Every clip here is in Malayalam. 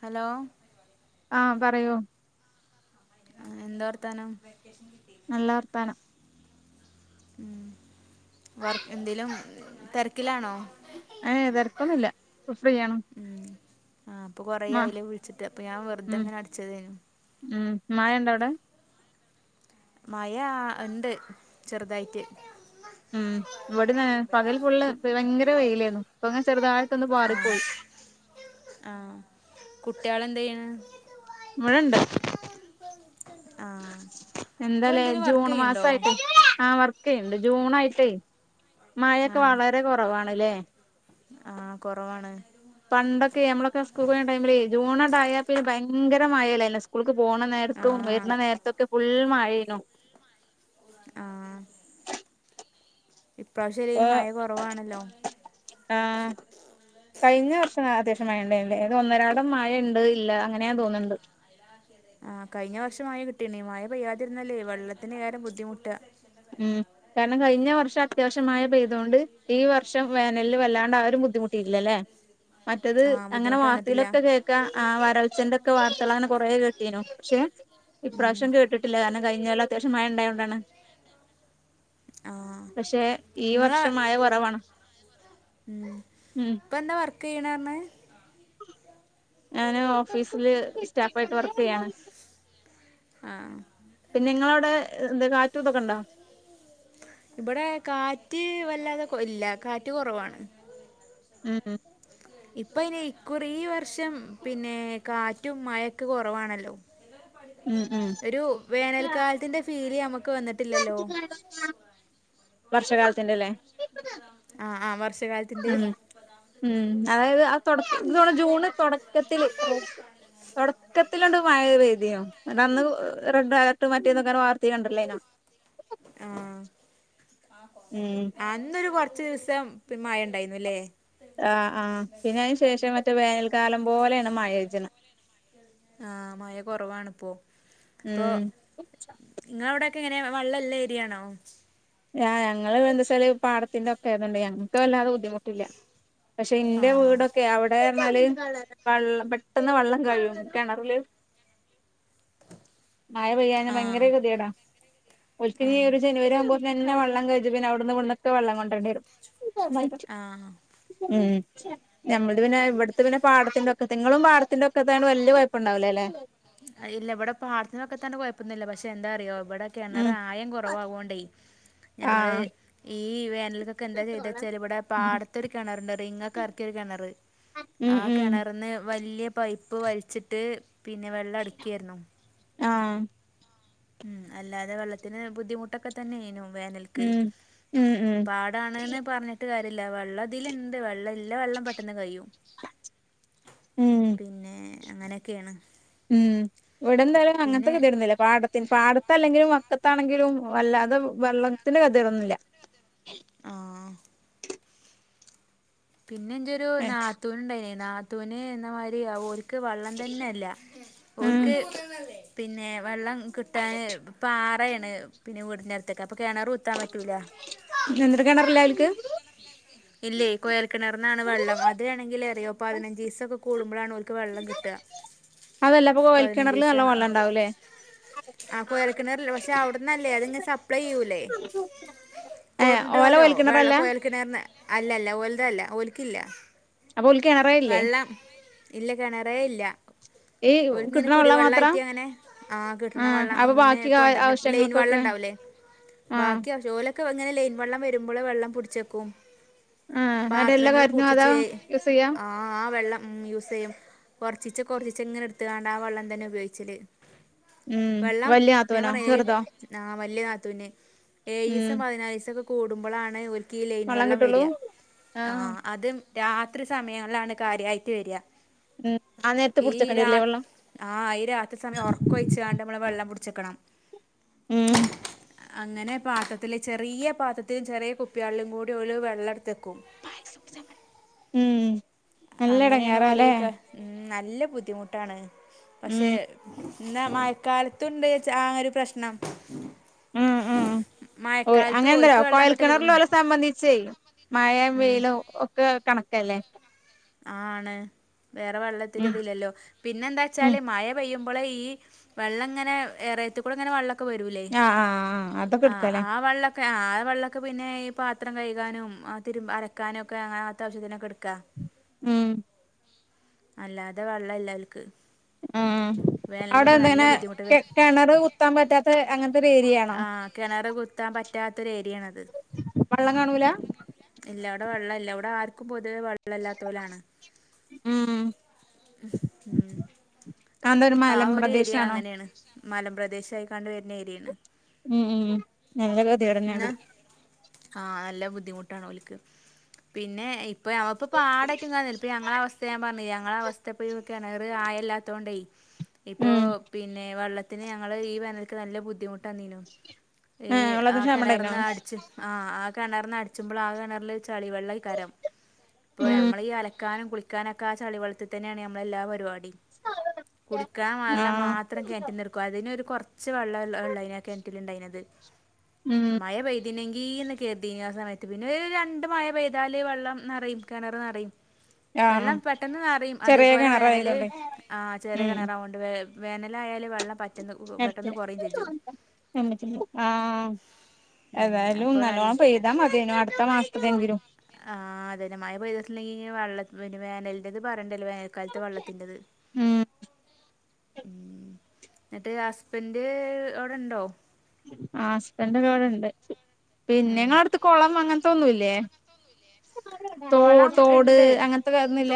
ഹലോ ആഹ് പറയൂ എന്താ വർത്താനം നല്ല വർത്താനം ഉം വർ എന്തേലും തെരക്കിലാണോ ഏയ് തെരക്കൊന്നുല്ല ഇപ്പോ ഫ്രീ ആണ് ഉം ആഹ് ഇപ്പോ കൊറേ ആയില്ലേ വിളിച്ചിട്ട് അപ്പോ ഞാൻ ഉം വെറുതെങ്ങനെ അടിച്ചതേന്നു ഉം മയ ഇണ്ടോ അവടെ മയ ഇണ്ട് ചെറുതായിട്ട് ഉം ഇവിടെന്ന്ങ്ങ് പകല് ഫുള്ള് കു ഭയങ്കര വെയിലേന്നു ഇപ്പൊങ്ങെ ചെറുതായിട്ടൊന്ന് പാറിപ്പോയി ആഹ് കുട്ട്യാള് എന്താ ചെയ്യണ് ഇവിടെണ്ട് ആ ഇപ്പൊ എന്താല്ലേ എന്തേലും വർക്ക് ജൂൺ ചെയ്യണ്ടോ മാസായിട്ട് ആഹ് വർ ക്കീയ്യ്ണ്ട് ജൂൺ ആയിട്ടേ മഴെക്കെ വളരെ കൊറവാണല്ലേ ആഹ് കൊറവാണ് പണ്ടൊക്കെ നമ്മളൊക്കെ സ്കൂൾക്ക് പോണ ടൈമില് ജൂണണ്ടായാപ്പിന്നെ ഭയങ്കര മയല്ലേ എല്ലാ സ്കൂൾക്ക് പോണ ആ നേരത്തും വരണ നേരത്തൊക്കെ ഫുൾ മഴയേനു ആഹ് ഇപ്പോ ഇപ്രാവശ്യല്ലേലും മഴ കൊറവാണല്ലോ ആഹ് കഴിഞ്ഞ വർഷം അത്യാവശ്യം മഴ ഇണ്ടനുല്ലേ അത് ഒന്നരാടം മഴണ്ട് ഇല്ല അങ്ങനെയാ തോന്ന്ണ്ട് ആഹ് കഴിഞ്ഞ വർഷം മഴ കിട്ടിണ്ട് മഴ പെയ്യാതിരുന്നാലേ വെള്ളത്തിന് ഏറെ ബുദ്ധിമുട്ടാ ഉം കാരണം കഴിഞ്ഞ വർഷം അത്യാവശ്യം മയ പെയ്തോണ്ട് ഈ വർഷം വേനലില് വല്ലാണ്ട് ആരും ബുദ്ധിമുട്ടിട്ടില്ല അല്ലേ മറ്റത് ആഹ് അങ്ങനെ ബുദ്ധിമുട്ട് വന്നിട്ടില്ല വാർത്തയിലൊക്കെ കേ ക്കാം ആ വരൾച്ചന്റെ ഒക്കെ വാർത്തള് അങ്ങനെ കൊറെ കേട്ടീനു പക്ഷെ ഉം ഇപ്രാവശ്യം കേട്ടി ട്ടില്ല കാരണം കഴിഞ്ഞൊല്ലം അത്യാശ്യം മഴണ്ടായോണ്ടാണ് ആഹ് പക്ഷെ ഈ ഇങ്ങളെ വർഷം മഴ കുറവാണ് ഉം ഉം ഇപ്പോ എന്താ വർക്കിയ്യണ് പറഞ്ഞ് ഞാന് ഓഫീസില് സ്റ്റാഫ് ആയിട്ട് വർക്കീയ്യാണ് ആഹ് പിന്നെ ഇങ്ങള അവടെ എന്താ കാറ്റുതൊക്കെ ഇണ്ടോ ഇബടെ കാറ്റ് വല്ലാതെ കൊ ഇല്ല കാറ്റ് കൊറവാണ് ഉം ഇപ്പ അയ്ന് ഇക്കുറി ഈ വർഷം പിന്നെ കാറ്റും മഴൊക്കെ കൊറവാണല്ലോ എല്ലാരും പഠ ഉം ഉം ഒരു വേനൽക്കാലത്തിന്റെ ഫീല് നമുക്ക് വന്നിട്ടില്ലല്ലോ വർഷകാലത്തിന്റെല്ലേ ആഹ് ആ വർഷ കാല ഉം ഉം അതായത് ആ തുട ജൂണ് തുടക്കത്തില് തുടക്കത്തിലുണ്ട് മഴ പെയ്തിനു അന്ന് റെഡ് അലേർട്ട് മറ്റിയന്നൊക്കെ വാർത്തയ കണ്ടല്ലോ അനോ ആഹ് ഉം അന്നൊരു കൊറച്ചു ദിവസം മഴ ഉണ്ടായിരുന്നുല്ലേ ആ ആ പിന്നെ അതിനു ശേഷം മറ്റേ വേനൽക്കാലം പോലെയാണ് മഴ പെചണത് ആഹ മഴ കുറവാണിപ്പോ അപ്പൊ ഉം നിങ്ങളെ അവിടെയൊക്കെ എങ്ങനെ വെള്ളല്ലരിയാണോ യാ ഞങ്ങള് എന്താച്ചാൽ പാടത്തിന്റെ ഒക്കെ ഏരിയതോണ്ട് ഞങ്ങൾക്ക് വല്ലാതെ ബുദ്ധിമുട്ടില്ല പക്ഷെ ആ ഇന്റെ വീടൊക്കെ അവിടെ ന്നാല് വള് പെട്ടെന്ന് വെള്ളം കഴിയും കെണറില് മഴ പെയ്യാഞ്ഞ ആ ഭയങ്കര കെതിയേടാ ആ ഒൽക്കിന് ഒരു ജനുവരി ആവുമ്പോ ന്നെ വെള്ളം കഴിഞ്ഞ പിന്നെ അവിടുന്ന് വിട്ന്നൊക്കെ വെള്ളം കൊണ്ടരേണ്ടി വരും ആ ഉം ഞമ്മൾ പിന്നെ ഇവിട്ത്തെ പിന്നെ പാടത്തിന്റെക്കെ ങ്ങളും പാടത്തിന്റെക്കെ തയോണ്ട് വല്യ കൊഴപ്പണ്ടാവൂല ല്ലേ ഇല്ല ഇവിടെ പാടത്തിന്റെ വക്കത്തായോണ്ട് തന്നെ കുഴപ്പൊന്നില്ല പക്ഷെ എന്താറിയോ ഇവിടെ ഉം കിണറ് ആയം കുറവായോണ്ടേ ഞങ്ങള് ആഹ് ഈ വേനൽ എന്താ ചെയ്തച്ചാല് ഇവിടെ പാടത്ത ഒരു കിണർണ്ട് റിങ്ങ് ഒക്കെ എർക്കിയ ഒരു കെണറ് ഉം ആഹ് ഉം കെണർന്ന് വലിയ പൈപ്പ് വലിച്ചിട്ട് പിന്നെ വെള്ളം അടിക്കയിരുന്നു ആഹ് ഉം അല്ലാതെ വെള്ളത്തിന് ബുദ്ധിമുട്ടൊക്കെ തന്നെ യിനു വേനൽക്ക് ഉം ഉം ഉം പാ ത്താണ്ന്ന് പറഞ്ഞിട്ട് കാര്യല്ല വെള്ളതില്ണ്ട് വെള്ളം നല്ല വെള്ളം പെട്ടെന്ന് കഴിഴും ഉം പിന്നെ അങ്ങനെക്കെണ് ഉം ഇവിടെ എന്തായാലും അങ്ങൻത്തെ കൊതിയെ കെതിയെടൊന്നില്ല പാടത്തി പാടത്തല്ലെങ്കിലും പക്കത്താണെങ്കിലും വല്ലാതെ വെള്ളത്തിന് കെതിയെടൊന്നില്ല ആഹ് പിന്നെ ഇന്റൊരു നാത്തൂന് ഇണ്ടായിനേ നാത്തൂന് എന്ന മാതിരി ക്ക് വള്ളം തന്നെല്ല ഓൽക്ക് ഉം പിന്നെ വെള്ളം കിട്ടാന് പാറേണ് പിന്നെ വീടിന്റെട്ത്തൊക്കെ അപ്പൊ കിണറ് കുത്താൻ പറ്റൂല എന്തര് കെണറില്ലേ അവൽക്ക് ഇല്ലേ കോയൽക്കിണർന്നാണ് വെള്ളം അത് വണെങ്കിൽ അറിയുമോ പതിനഞ്ച്സൊക്കെ കൂടുമ്പളാണ് ഓൽക്ക് വെള്ളം കിട്ട അതല്ല അപ്പൊ കോയൽ കിണറില് നല്ല പതിനഞ്ചീസം വെള്ളം ഉണ്ടാവൂല്ലേ ആഹ് കുഴൽക്കിണറില്ലേ പക്ഷെ അവിടെ ന്നല്ലേ അത് [unintelligible] സപ്പേ ചെയുല്ല കൊ ഏഹ് ഓല കോയൽ കിണറല്ല ക്ക്ണർന്ന് അല്ലല്ല ഒൽതല്ല ഓൽക്കില്ല അപ്പൊ ഓൽ ക്കെണറേ വെള്ളം ഇല്ല കെണറേ ഇല്ല ഈ ഒര്ക്ക് ഇങ്ങനെ കിട്ടണ വെള്ളം മാത്രാ കുടിവെള്ളയിട്ടങ്ങനെ ആഹ് കിട്ട്ണ വെള്ളം അപ്പൊ അങ്ങനെ ബാക്കി കാ- കൊണ്ടു വര്ന്നെ ലൈയിൻ വെള്ളം ആവശ്യങ്ങൾക്കൊക്കെ ഉണ്ടാവലേ ആഹ് ബാക്കി ചോലൊക്കെ ഇങ്ങനെ ലൈയിൻ വെള്ളം വരുമ്പോൾ വെള്ളം പുട്ച്ചേക്കും ആഹ് അടെ എല്ലാ പാത്രങ്ങള് കാര്യത്തിനും അതാ യൂസ് ചെയ്യാ [unintelligible] ആഹ് ആഹ് വെള്ളം യൂസെയ്യും കൊറച്ചിച്ചെ കൊറച്ചിച്ചെ ങ്ങന എട്ത്താണ്ട് ആഹ് വെള്ളം തന്നെ ഉപയോഗിച്ചല് ഉം വെള്ളം വല്യ ഞാൻ നാത്തൂനോ പറ ഏഴ് ലി ചെറുതോ ആഹ് വല്യ നാത്തൂന് ഉം ഏഴിസം പതിനാലിസക്കെ കൂടുമ്പളാണ് ഇവർക്ക് ഈ ലൈൻ വെള്ളം വര് ര ആഹ് അത് രാത്രി സമയങ്ങളിലാണ് കാര്യയിട്ട് വര ഉം ആ നേരത്ത് ഈ പുടിച്ചക്കണ്ടില്ലേ രാത് വെള്ളം ആഹ് ഈ രാത്രി സമയം ഉറക്കം ഒഴിച്ച കാണ്ട് നമ്മള് വെള്ളം പിടിച്ചെക്കണം ഉം അങ്ങനെ പാത്രത്തില് ചെറിയ പാത്രത്തിലും ചെറിയ കുപ്പികാളിലും കൂടി ഒരു വെള്ളട്ത്തക്കും ഉം നല്ല അങ്ങനെയാണ് ഓല് എടങ്ങേറാല്ലേ ക ഉം നല്ല ബുദ്ധിമുട്ടാണ് പക്ഷെ ഉം ഇന്നാ മയക്കാല്ത്തുണ്ട് ചാ ആഹ് ഒരു പ്രശ്നം ഓയ് മഴക്കാലത്ത് അങ്ങൽ ഓൽക്ക് ന്തറിയോ വെള്ളം കിട്ടല് ഉം കോയൽക്കെണറില് ഓല സംബന്ധിച്ചെ മായം ഉം വെയിലും ഒ ക്ക കണക്കല്ലേ ആണ് വേറെ ഉം വള്ളത്തിന്റതില്ലല്ലോ ഉം പിന്നെന്താച്ചാല് മയ പെയ്യ്മ്പള് ഈ വെള്ളം ഇങ്ങനെ എറയത്ത്കൂടെ ഇങ്ങനെ വെള്ളം ക്ക വെരൂല്ലേ ആഹ് ആഹ് അതൊക്കെ ആഹ് എടുക്കല്ലേ ആഹ് വള്ളം ക്ക ആ വെള്ളൊക്ക പിന്നെ ഈ പാത്രം കയ്കാനും ആ തിരുമ്പ അലക്കാനും ഒക്കെ അ അങ്ങനത്ത ആവശ്യത്തിനൊക്ക എടുക്കാം ഉം അല്ലാതെ വെള്ളം ഇല്ല ഓൽക്ക് ആഹ് അവിടെ എന്തങ്ങനെ ബുദ്ധിമുട്ട് വേ- കെണറ് കുത്താം പറ്റാത്ത അങ്ങനത്തെര് ഏരിയാണോ കുത്താം പറ്റാത്തൊര് ഏരിയാണത് വള്ളം കാണൂല ഇല്ല ഇവിടെ വെള്ളം ഇല്ല ഇവിടെ ആർക്കും പൊതുവെ വെള്ളം ഇല്ലാത്തൊലാണ് ഉം ഉം അതെന്താ ആ ഒരു ഏരിയ മലമ്പ്രദേശാണോ അങ്ങനെയാണ് മലം പ്രദേശായി കണ്ട് വെര്ണ ഏരിയാണ് ഉം ഉം നല്ല കെദേഡ് ആണ് എന്നാൽ ആഹ് അല്ല ബുദ്ധിമുട്ടാണ് ഓൽക്ക് പിന്നെ ഇപ്പ് ഇപ്പ ഞമ്മൾപ്പ പാടയ്ട്ട് ഇങ്ങന ഞങ്ങള അവസ്ഥ ഞാ പറഞ്ഞ് ഞങ്ങള അവസ്ഥ ത്ത പുഴി കുയ്ക്കാന കെണറ് ആയല്ലാത്തോണ്ടെയ് ഇപ്പോ ഉം പിന്നെ വെള്ളത്തി ത്തിന് ഞങ്ങള് ഈ വേനൽക്ക് നല്ല ബുദ്ധിമുട്ട് വന്നീനു ഏഹ് വെള്ളത്തിന് ആഹ് കെണർന്ന് ക്ഷാമണ്ടായിനോ അടിച്ച ആ ആ കെണർന്ന് അടിച്ചുമ്പ്ള ആ കെണറിൽ ച് ചളിവെള്ളെയ് കാരം ഇപ്പോ ഉം നമ്മള് ഈ അലക്കാനും കുളി കുളിക്കാനെക്ക ആ ചളിവെള്ളത്തി തന്നെയാണ് നമ്മള എല്ലാ പരിപാടീം കുടിക്കാൻ വെല്ല മാ ആഹ് ത്രം കെണറ്റ്ന്ന് എട്ക്കും അതിനൊര് കൊറച്ച് വെള്ളം അയ്ന് കെണറ്റിൽ ഉണ്ടായിര്ന്നത് ഉം മയ പെയ്തിനെങ്കീന്ന് കെര്തീനു ആ സമയത്ത് പിന്നെ ഒര് രണ്ട് മഴ പെയ്താല് വെള്ളം നെറയും കെണറ് നെറയും ആഹ് വെള്ളം പെട്ടെന്ന് നെറയും ചെറിയ അതെപോലെ വേനല് കിണറായതോണ്ട് ആ ചെറിയ ഉം കെണറാവോണ്ട് വെ വേനലായാല് വെള്ളം പറ്റ്ന്നക്ക് പോം പെട്ടെന്ന് കൊറേം ചെജ്ജും നമ്മറ്റീല് ആഹ് ഉം ഏതാലും അപ്പൊ നല്ല നല്ലോണം പെയ്താ മതേനു അട്ത്ത മാസത്തിലെങ്കിലും ആഹ് അതെന്ന മയ പെയ്തട്ടില്ലെങ്കി ഇങ്ങന വെള്ളത്തി പി വേനൽ എത് പറയണ്ടല്ലോ വേനൽക്കാലത്ത് വെള്ളത്തിന്റത് ഉം ഉം എന്നട്ട് ഹസ്ബൻഡ് അവ്ടെണ്ടോ ആഹ് ഹസ്ബന്റക്ക അവ്ടെണ്ട് പിന്നെ ഏ നിങ്ങളട്ത്ത് കൊളം അങ്ങനത്തൊന്നൂല്ലേ തോ കൊളം തോട് ഇണ്ട് അങ്ങനത്ത ക ഒന്നൂല്ല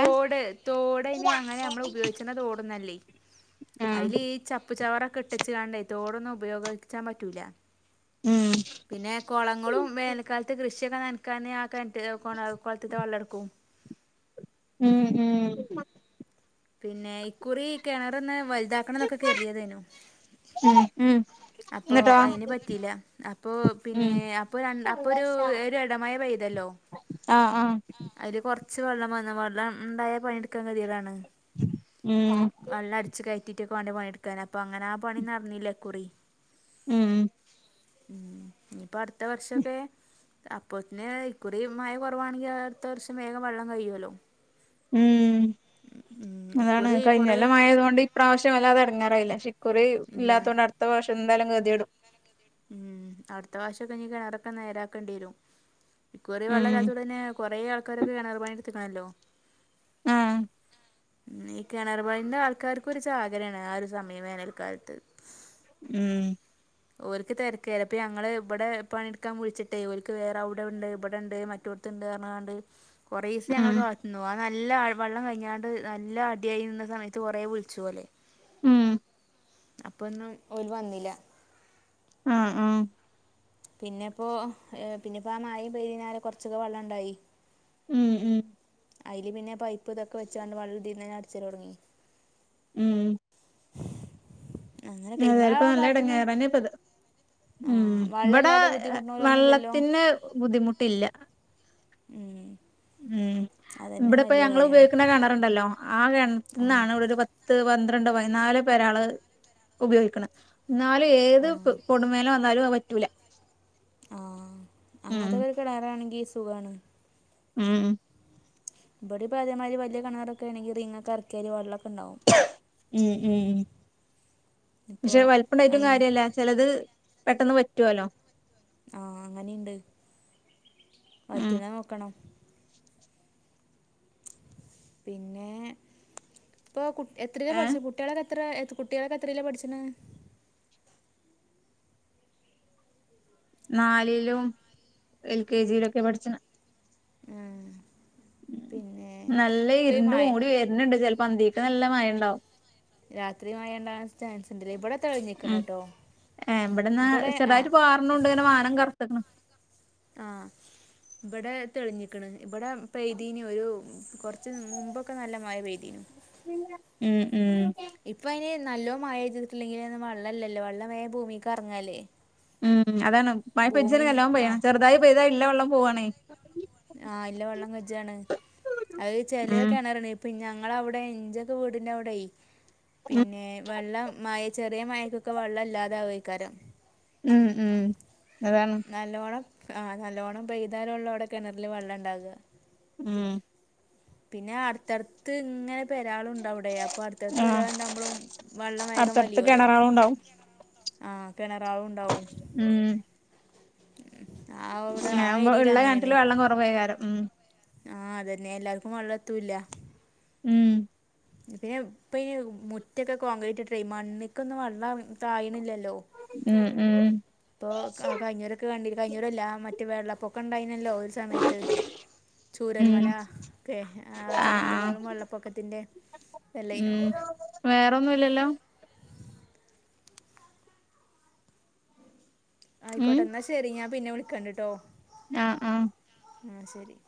ചെല തോട്ന്നല്ലേ അയ്ല് ചപ്പ് ചപ്പ് ചവറെക്ക ഇട്ടച്ച്ങ്ങാണ്ടെ തോടൊന്നും ഉപയോഗിച്ചാം പറ്റൂല ഉം പിന്നെ കൊളങ്ങളും വേനൽക്കാലത്ത് കൃഷിയൊക്ക നനക്കാൻ ആ കെണറ്റ് കൊണ കൊളത്ത്ത്ത വെള്ളം എടുക്കും ഉം ഉം പിന്നെ ഇക്കുറി കെണറ്ന്ന് വല്താക്കണംന്നൊക്ക കര്തിയതെനു ഉം ഉം അപ്പൊ എന്നിട്ടോ അയ്ന് പറ്റീല്ല അപ്പൊ പിന്നെ ഉം അപ്പൊ രണ് അപ്പോ ഒരു ഇടമയ പെയ് തല്ലോ ആഹ് അഹ് അയ്ല് കൊറച്ച് വെള്ളം വന്ന് വെള്ളം ഉണ്ടായ പണിയെടുക്കാൻ ഗതികെടാണ്. ഉം വള്ളം അട്ച്ച് കയറ്റിയിട്ടൊക്കെ വാണ്ടെ പണിയെടുക്കാന് അപ്പ അങ്ങനെ ആ പണി നടന്നില്ല ഇക്കുറി ഉം ഉം ഇന്നിപ്പ അടുത്ത വർഷൊക്കെ അപ്പോത്തിന് ഇക്കുറി മഴ കൊറവാണെങ്കി അടുത്ത വർഷം വേഗം വെള്ളം കഴിയോല്ലോ ഉം അതാണ് ഇക്കുറി കുറേ കഴിഞ്ഞൊല്ലം മയ ആയതോണ്ട് ഇപ്രാവശ്യം വല്ലാതെ എടങ്ങാറായില്ലാ ക്ഷെ ഇക്കുറി ഇല്ല ഇല്ലാത്തതോണ്ട് അടുത്ത വർഷം എന്തായാലും ഗതിയെടും ഉം അടുത്ത വർഷൊക്കെ ഇനി കെണറൊക്കെ നേരാക്കണ്ടി വരും ഇക്കുറി ഉം വെള്ളല്ലാത്തോണ്ടന്നെ കൊറേ ആൾക്കാരൊക്കെ കെണറ് പണി എട്ത്ത്ക്കണല്ലോ ആഹ് ഉം ഈ കെണറ് പണിന്റെ ആൾക്കാർക്ക് ഒരു ചാകരായാണ് ആ ഒരു സമയം വേനൽക്കാലത്ത് ഉം ഓര്ക്ക് തെരക്കെറെ അപ്പൊ ഞങ്ങള് ഇവിടെ പണിയെടുക്കാൻ വിളിച്ചിട്ടേ ഓൽക്ക് വേറെ അവിടെ ഉണ്ട് ഇബടെണ്ട് മറ്റോ ട്ത്ത്ണ്ട്ന്ന് പറഞ്ഞ്ങ്ങാണ്ട് കൊറേസം ഞങ്ങള് ഉം കാത്ത്ന്നു [unintelligible] നല്ല ആഴ് വെള്ളം കഴിഞ്ഞാണ്ട് നല്ല അടിയായി നിന്ന സമയത്ത് കൊറേ വിളിച്ചു ഓലെ ഉം അപ്പൊന്നും ഓല് വന്നീല്ലാ ആഹ് ആഹ് പിന്നെപ്പോ ഏഹ് പിന്നെപ്പോ ആ മയിം പെയ്ത് കഴിഞ്ഞാരെ കൊറച്ചൊക്കെ വെള്ളണ്ടായി ഉം ഉം അയില് പിന്നെ പൈപ്പ് ഇതൊക്കെ വെച്ചാണ്ട് വെള്ളം ഇതീന്നെന്നെ അടിച്ചലൊടങ്ങി ഉം അങ്ങനെയൊക്കെ ഏതായാലും ഇങ്ങളെ ഇപ്പ ആ നല്ല ഭാഗത്തൊന്നും എടങ്ങേറെന്നെ ഇപ്പത് ആ ഉം ഇബടെ വെള്ളമില്ലാതെ എ ബുദ്ധിമുട്ടണോലൊന്നും ഇല്ലല്ലോ വെള്ളത്തി ക്ക് ബുദ്ധിമുട്ടില്ലാ ഉം ഉം അതന്നെ ഇബടെ ഇപ്പോ വലിയ ഞങ്ങള് കാര്യമാണ് ഉപയോഗിക്കണ കെണറുണ്ടല്ലോ ആഹ് ആ കെണറ്റ്ന്നാണ് ഇവിടെ ഒരു പത്ത് പന്ത്രണ്ട് പതിനാല് പെരാള് ഉപയോഗിക്ക്ണ് ഇന്നാലും ഏത് ക് ആ കൊടും വേനല് വന്നാലും അത് വറ്റൂലാ ആഹ് അങ്ങൻത്തെ ഒക്കെ കെണറാണെങ്കി സുഖാണ് ഉം ഉം ഇബടിം ഇപ്പോ അതേമാതിരി വല്യ കെണറൊക്കെ ആണെങ്കി റിങ് ഒക്കെ എറക്കി ഉം ഉം ഉം ഇപ്പോൾ പക്ഷെ വലിപ്പണ്ടായിട്ടും അതിന് കാര്യല്ലാ ചെലത് പെട്ടെന്ന് വറ്റൊല്ലോ ആഹ് അങ്ങനീണ്ട് ഉം വറ്റ്ണെ നോക്കണം പിന്നെ ഇപ്പൊ കുട്ട് എത്രേലാ ഏഹ് പഠിച്ചെ കുട്ട്യാളൊക്കെ എത്ര എത് കുട്ട്യാളൊക്കെ എത്രേലാ പഠിച്ച്ണെ നാലിലും എൽ കെ ജിയിലും ഒക്കെ പഠിച്ച്ണെ ഏഹ് പിന്നെ ഇപ്പ ഈ മഴേം ഇന്ന്ണ്ട് ചെലപ്പോ അന്തീക്ക് നല്ല മഴ ഇണ്ടാവും രാത്രി മയണ്ടാവാൻ ചാൻസ് ഇണ്ട്ല്ലേ ഇബടെ തെളിഞ്ഞിക്ക്ണട്ടാ ഏഹ് ഇബടെന്നാ ചെർതായിട്ട് പാർണുണ്ട് ഇങ്ങനെ മാനം കറുത്ത്ക്ക്ണ് ആഹ് ഇബടെ തെളിഞ്ഞിക്ക്ണ് ഇബടെ പെയ്തീനി ഒരു കുറച്ച് മുമ്പൊക്കെ നല്ല മയ പെയ്തീനു ഉം ഉം ഇപ്പ അയിന് നല്ലോ മഴെയ്തിട്ടില്ലെങ്കിലൊന്നും വള്ളല്ലല്ലോ വള്ളം വേം ഭൂമീക്ക് എറങ്ങല്ലേ ഉം അതാണ് മയ പെജാണെങ്കി ഭൂമീന്ന് നല്ലോം പെയ്യണം ആഹ് ചെറുതായി പെയ്താ ഇള്ള വെള്ളോം പോവാണേ ആഹ് ഇല്ല വെള്ളം കജ്ജാണ് അത് ചെലെ ഉം കെണറിന് പിൻ ഞങ്ങളവിടെ ഇഞ്ചൊക്കെ വീടിന്റെ അവിടെയി പിന്നെ വെള്ളം മയ ചെറ് [unintelligible] മഴക്കൊക്കെ വെള്ളം ഇല്ലാതെ [unintelligible] ഉം ഉം അതാണ് നല്ലോണം ആഹ് നല്ലോണ്ണം പെയ്താല് ഉള്ളു അവിടെ കിണറില് വെള്ളം ഉണ്ടാവുക ഉം പിന്നെ അടുത്തടുത്ത് ഇങ്ങനെ പെരാളുണ്ടവിടെ അപ്പൊ അടുത്തടുത്ത് ആഹ് പെരാളുണ്ടാവുമ്പളും വെള്ളം വേഗം അടുത്തടുത്ത് വലിയൂല്ലോ [unintelligible] ആഹ് കിണറാവും ഉണ്ടാവും ഉം ആ അവിടെ ആ [unintelligible] ഏരിയയിൽ ഉള്ള കിണറ്റില് വെള്ളം കുറവായ് [unintelligible] ആഹ് അതന്നെ എല്ലാർക്കും വെള്ളം എത്തൂല്ല ഉം [unintelligible] ഇപ്പൊ ഈ മുറ്റൊക്കെ കോൺക്രീറ്റ് ഇട്ടിട്ടെ മണ്ണിലേക്കൊന്നും വെള്ളം താഴണില്ലല്ലോ ഉം ഉം ഇപ്പൊ കഴിഞ്ഞരൊക്കെ കഴിഞ്ഞൂരല്ല മറ്റേ വെള്ളപ്പൊക്കം ഉണ്ടായിനല്ലോ ഒരു സമയത്ത് ഉം ചൂരൽമല ഒക്കെ ആ ആഹ് സമയത്ത് ആഹ് വെറും വെള്ളപ്പൊക്കത്തിന്റെ ഉം വേറൊന്നും ഇല്ലല്ലോ ഉം ആയിക്കോട്ടെ എന്നാ ശരി ഞാൻ പിന്നെ വിളിക്കണ്ട്ട്ടോ ആഹ് ആഹ് ആഹ് ശരി